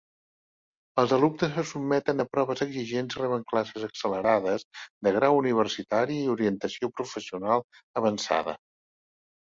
Els alumnes se sotmeten a proves exigents i reben classes accelerades, de grau universitari i orientació professional avançada.